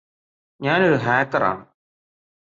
ഞാൻ ഒരു ഹാക്കർ ആണ്